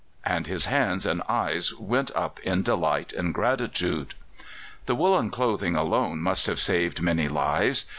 and his hands and eyes went up in delight and gratitude. The woollen clothing alone must have saved many lives.